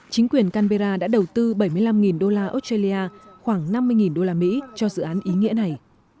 chính quyền canberra đã đầu tư bảy mươi năm đô la australia khoảng năm mươi đô la mỹ cho dự án ý nghĩa này